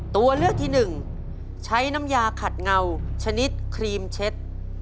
ตัวเลือกที่หนึ่งใช้น้ำยาขัดเงาชนิดครีมเช็ด